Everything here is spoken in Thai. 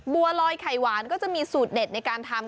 บัวลอยไข่หวานก็จะมีสูตรเด็ดในการทำ